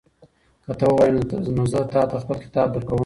که ته وغواړې نو زه تاته خپل کتاب درکوم.